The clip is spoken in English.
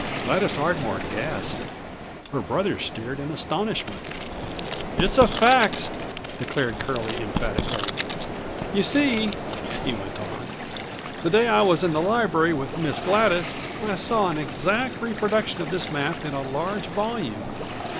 Gladys Ardmore gasped. Her brother stared in astonishment. "It's a fact!" declared Curlie emphatically. "You see," he went on, "the day I was in the library with Miss Gladys I saw an exact reproduction of this map in a large volume.